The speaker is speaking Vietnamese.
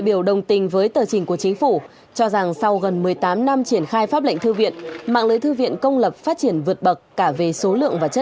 một bước đường phóng bằng